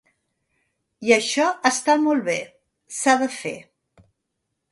I això està molt bé, s’ha de fer.